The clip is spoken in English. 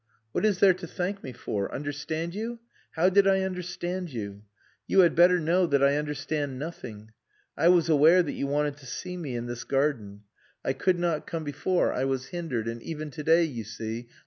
"What is there to thank me for? Understand you?... How did I understand you?... You had better know that I understand nothing. I was aware that you wanted to see me in this garden. I could not come before. I was hindered. And even to day, you see...